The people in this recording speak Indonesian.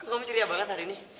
kamu ceria banget hari ini